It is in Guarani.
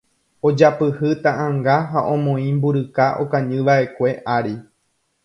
ojapyhy ta'ãnga ha omoĩ mburika okañyva'ekue ári